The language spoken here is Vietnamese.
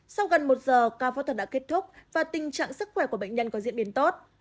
sau gần một giờ ca phẫu thuật đã kết thúc và tình trạng sức khỏe của bệnh nhân có diễn biến tốt